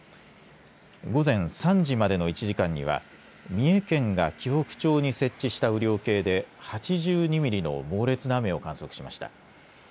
午前３時までの１時間には三重県が紀北町に設置した雨量計で８２ミリの猛烈な雨を観測しました。